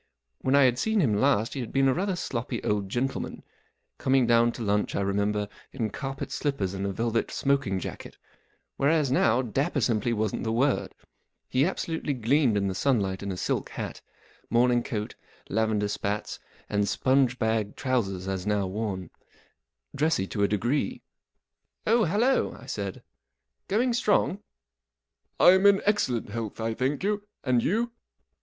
When T had seen him last he had been a rather sloppy old gentleman—coming down to lunch, I remember, in carpet slippers and a velvet smoking jacket ; whereas now dapper simply wasn't the word. He abso¬ lutely gleamed in the sunlight in a silk hat, morning coat, lavender spats, and sponge bag Copyright, ig?3, by Going strong ?I am in excellent health, I thank you. And you